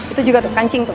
itu juga tuh kancing tuh